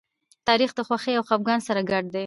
تاریخ د خوښۍ او خپګان سره ګډ دی.